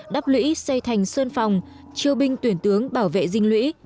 đắp lũy xây thành sơn phòng triều binh tuyển tướng bảo vệ dinh lũy